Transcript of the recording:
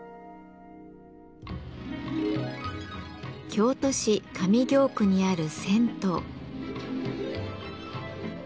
京都市上京区にある銭湯。